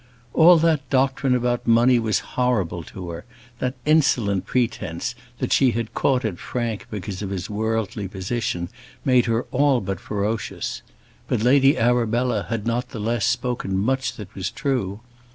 All that doctrine about money was horrible to her; that insolent pretence, that she had caught at Frank because of his worldly position, made her all but ferocious; but Lady Arabella had not the less spoken much that was true.